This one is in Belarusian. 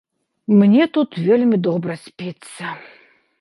Мне тут вельмі добра спіцца.